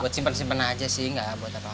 buat simpen simpena aja sih gak buat apa apa